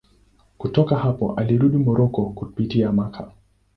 Kutoka hapa alirudi Moroko kupitia Makka.